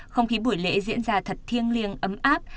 không khí buổi lễ diễn ra thật thiêng liêng ấm áp